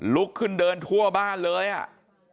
ลุกขึ้นเดินทั่วบ้านเลยอ่ะ